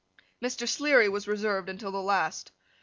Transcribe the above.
Mr. Sleary was reserved until the last.